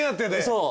そう。